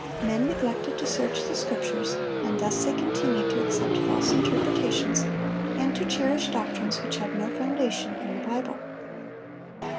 Men neglected to search the Scriptures, and thus they continued to accept false interpretations, and to cherish doctrines which had no foundation in the Bible.